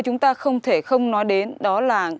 chúng ta không thể không nói đến đó là